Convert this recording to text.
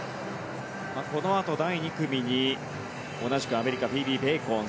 このあと、第２組に同じくアメリカフィービー・ベーコン。